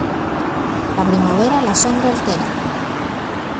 La primavera la sangre altera.